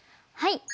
はい。